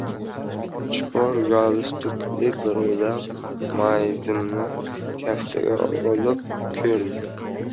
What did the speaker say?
Chipor gulstukli bir odam mayizimni kaftiga olib ko‘rdi.